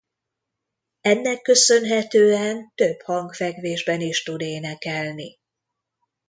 Ennek köszönhetően több hangfekvésben is tud énekelni.